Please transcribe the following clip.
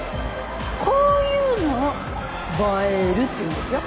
こういうのを「映える」っていうんですよ。